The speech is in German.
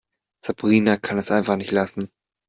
Sabrina kann es einfach nicht lassen.